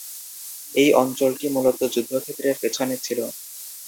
এই অঞ্চলটি মূল যুদ্ধক্ষেত্রের পেছনে ছিল।